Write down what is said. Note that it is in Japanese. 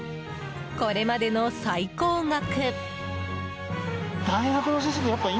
これまでの最高額！